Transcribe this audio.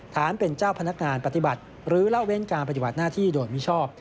ฐานเป็นเจ้าพนักงานปฏิบัติหรือเล่าเว้นการปฏิบัติหน้าที่โดยมิชอบ